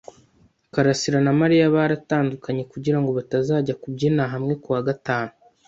karasira na Mariya baratandukanye, kugirango batazajya kubyina hamwe kuwa gatanu.